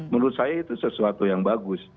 menurut saya itu sesuatu yang bagus